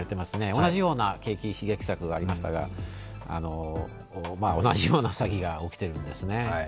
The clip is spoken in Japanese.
同じような景気刺激策がありましたが、同じような詐欺が起きてるんですね。